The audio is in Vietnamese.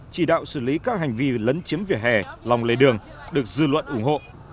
chỉ đạo xử lý các hành vi lấn chiếm vỉa hè lòng lề đường được dư luận ủng hộ